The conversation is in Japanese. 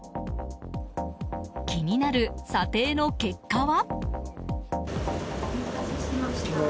気になる査定の結果は。